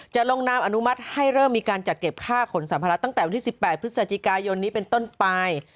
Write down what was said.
ลงนามอนุมัติให้เริ่มมีการจัดเก็บค่าขนสัมภาระตั้งแต่วันที่๑๘พฤศจิกายนนี้เป็นต้นไป